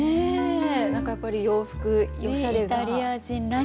何かやっぱり洋服おしゃれな。